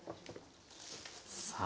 さあ